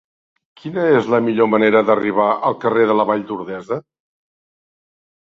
Quina és la millor manera d'arribar al carrer de la Vall d'Ordesa?